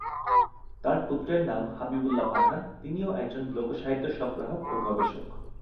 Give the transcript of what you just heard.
তার পুত্রের নাম হাবিবুল্লাহ পাঠান, তিনিও একজন লোকসাহিত্য সংগ্রাহক ও গবেষক।